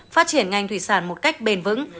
phát triển ngành thủy sản một cách bền vững